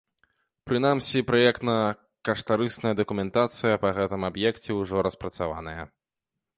Прынамсі, праектна-каштарысная дакументацыя па гэтым аб'екце ўжо распрацаваная.